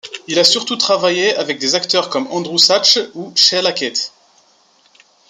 Il a surtout travaillé avec des acteurs comme Andrew Sachs ou Sheila Keith.